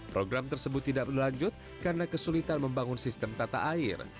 program tersebut tidak berlanjut karena kesulitan membangun sistem tata air